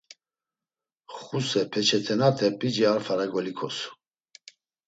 Xuse peçetenate p̌ici a fara golikosu.